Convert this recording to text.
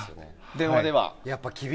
電話では。